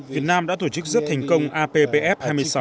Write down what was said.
việt nam đã tổ chức rất thành công appf hai mươi sáu